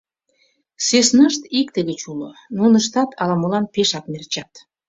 Сӧснашт икте гыч уло — нуныштат ала-молан пешак мерчат.